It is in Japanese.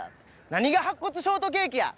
何が白骨ショートケーキや！